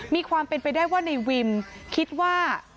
มีความเป็นไปได้ว่าในวิมคิดว่า